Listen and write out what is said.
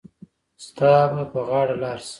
ستا به په غاړه لار شي.